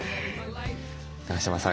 永島さん